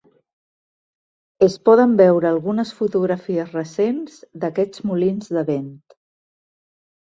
Es poden veure algunes fotografies recents d'aquests molins de vent.